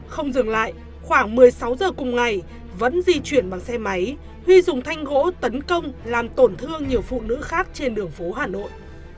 không dừng lại khoảng một mươi sáu giờ cùng ngày vẫn di chuyển bằng xe máy huy dùng thanh gỗ tấn công làm tổn thương nhiều phụ nữ khác trên đường phố hà nội